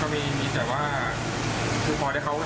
เขาไม่ค่อยมาปรึดศาสตร์นะครับเท่าไหร่